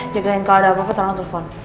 jagain kalau ada apa apa tolong telfon